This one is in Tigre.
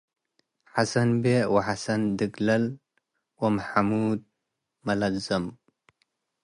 ሐሰን ቤእ ወሐሰን ድግለል ወመሐሙድ መላዝም